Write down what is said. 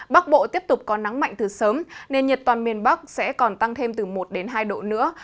bắc bộ tiếp tục có nắng mạnh từ sớm nên nhiệt toàn miền bắc sẽ còn tăng thêm từ một hai độ nữa